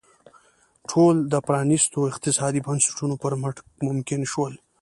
ټول د پرانیستو اقتصادي بنسټونو پر مټ ممکن شول.